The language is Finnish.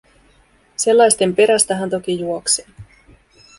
Sellaisten perästä hän toki juoksee.